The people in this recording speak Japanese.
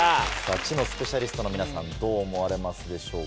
知のスペシャリストの皆さんどう思われますでしょうか？